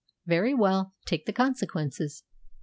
Very well, take the consequences.